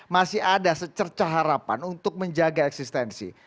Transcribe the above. masih ada secerca harapan untuk menjaga eksistensi